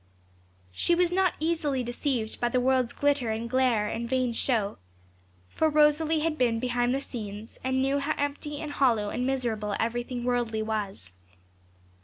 She was not easily deceived by the world's glitter and glare and vain show; for Rosalie had been behind the scenes, and knew how empty and hollow and miserable everything worldly was.